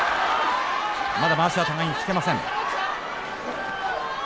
まだ、まわしがともに引けません。